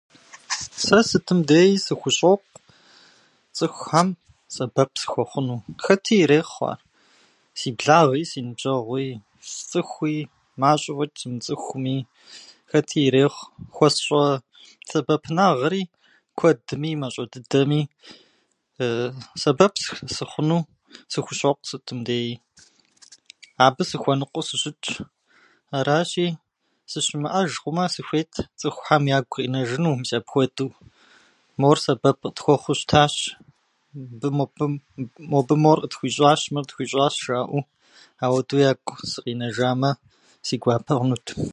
Сэ сытым деи сыхущӏокъу цӏыхухьэм сэбэп сыхуэхъуну. Хэти ирехъу ар, си благъи, си ныбжьэгъуи, сцӏыхуи, мащӏэу фӏэчӏ сымыцӏыхуми, хэти ирехъу. Хуэсщӏэ сэбэпынагъри куэдми, мащӏэ дыдэми сэбэп сыхъуну сыхущӏокъу сытым деи. Абы сыхуэныкъуэу сыщытщ. Аращи, сыщымыӏэж хъумэ, сыхуейт цӏыхухьэм ягу къинэжыну мис апхуэду, мор сэбэп къытхуэхъуу щытащ, мыбы мобы- мобы мор къытхуищӏащ, мыр къытхуищӏащ жаӏэу, ауэду ягу сыкъинэжамэ, си гуапэ хъунут.